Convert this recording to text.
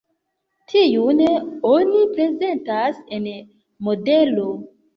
Tiun oni prezentas en modelo.